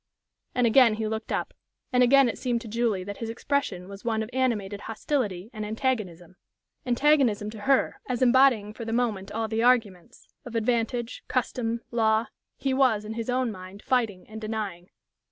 And again he looked up, and again it seemed to Julie that his expression was one of animated hostility and antagonism antagonism to her, as embodying for the moment all the arguments of advantage, custom, law he was, in his own mind, fighting and denying.